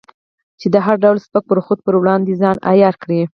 چې د هر ډول سپک برخورد پر وړاندې ځان عیار کړې.